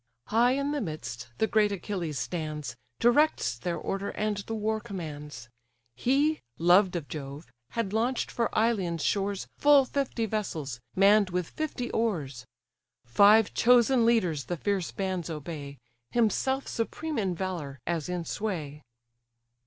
High in the midst the great Achilles stands, Directs their order, and the war commands. He, loved of Jove, had launch'd for Ilion's shores Full fifty vessels, mann'd with fifty oars: Five chosen leaders the fierce bands obey, Himself supreme in valour, as in sway.